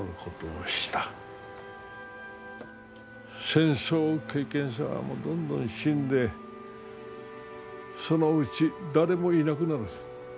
戦争経験者もどんどん死んでそのうち誰もいなくなる。